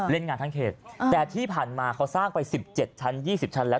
เล่นงานทั้งเขตแต่ที่ผ่านมาเขาสร้างไป๑๗ชั้น๒๐ชั้นแล้ว